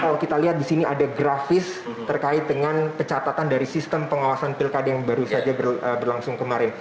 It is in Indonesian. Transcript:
kalau kita lihat di sini ada grafis terkait dengan pencatatan dari sistem pengawasan pilkada yang baru saja berlangsung kemarin